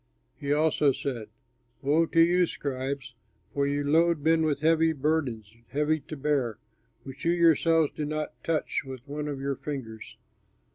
He also said, "Woe to you scribes! For you load men with burdens heavy to bear, which you yourselves do not touch with one of your fingers.